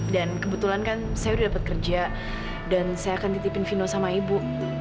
kebetulan kan saya udah dapat kerja dan saya akan titipin vino sama ibu